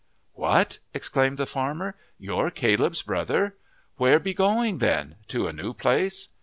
"What!" exclaimed the farmer. "You're Caleb's brother! Where be going then? to a new place?"